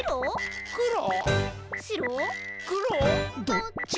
どっち？